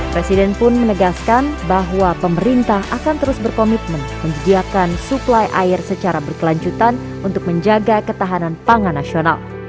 presiden pun menegaskan bahwa pemerintah akan terus berkomitmen menyediakan suplai air secara berkelanjutan untuk menjaga ketahanan pangan nasional